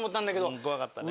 うん怖かったね。